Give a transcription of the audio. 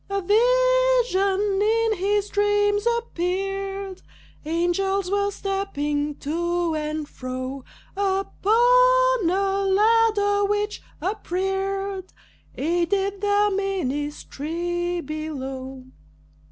A vision in his dreams appeared! Angels were stepping to and fro Upon a ladder which, upreared, Aided their ministry below.